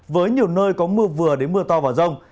với nhiều nơi có mưa vừa đến mưa to và rông